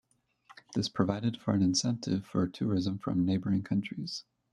This provided an incentive for tourism from neighbouring countries.